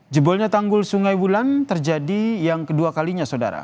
jebolnya tanggul sungai bulan terjadi yang kedua kalinya saudara